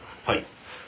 はい。